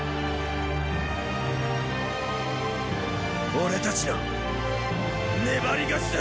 俺たちの粘り勝ちだ！